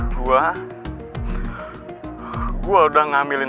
gua gua udah ngambilin